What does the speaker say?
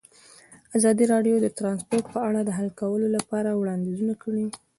ازادي راډیو د ترانسپورټ په اړه د حل کولو لپاره وړاندیزونه کړي.